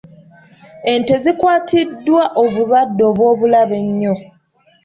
Ente zikwatiddwa obulwadde obw'obulabe ennyo.